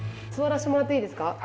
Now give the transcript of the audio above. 座らしてもらっていいですか？